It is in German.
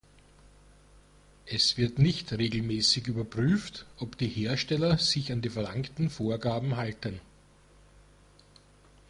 Es wird nicht regelmäßig überprüft, ob die Hersteller sich an die verlangten Vorgaben halten.